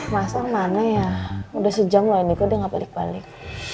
masa mana ya udah sejam lah ini kok udah gak balik balik